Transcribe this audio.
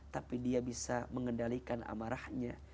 tapi dia bisa mengendalikan amarahnya